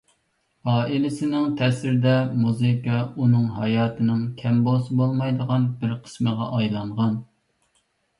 ئائىلىسىنىڭ تەسىرىدە، مۇزىكا ئۇنىڭ ھاياتىنىڭ كەم بولسا بولمايدىغان بىر قىسمىغا ئايلانغان.